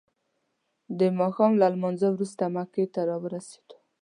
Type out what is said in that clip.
د ماښام له لمانځه وروسته مکې ته راورسیدو.